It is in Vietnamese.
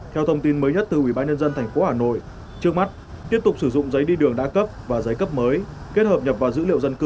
theo thông tin mới nhất từ ubnd tp hà nội trước mắt tiếp tục sử dụng giấy đi đường đã cấp và giấy cấp mới kết hợp nhập vào dữ liệu dân cư